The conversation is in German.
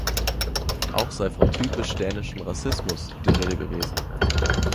Auch sei von „typisch dänischem Rassismus“ die Rede gewesen.